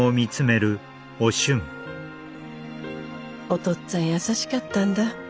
お父っつぁん優しかったんだ。